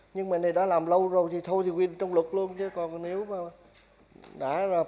nhưng mà này đã làm lâu rồi thì thôi thì quy định trong luật luôn chứ còn nếu mà